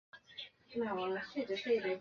症状的严重程度因人而异。